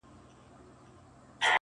• د زړه له درده دا نارۍ نه وهم.